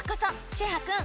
シェハくん！